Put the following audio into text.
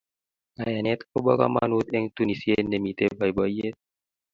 Kayanet kobo komonut eng katunisyet nemitei boiboiyet.